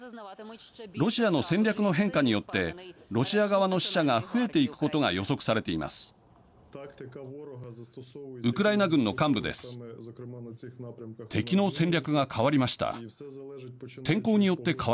ロシアの戦略の変化によってロシア側の死者が増えていくことが予測されています。